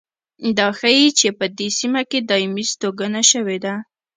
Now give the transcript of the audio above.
دا ښيي چې په دې سیمه کې دایمي هستوګنه شوې ده.